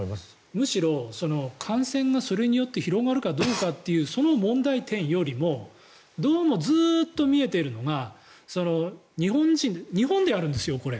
むしろ感染がそれによって広がるかどうかというその問題点よりもどうもずっと見えているのが日本でやるんですよ、これ。